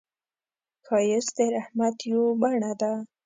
ښایست د رحمت یو بڼه ده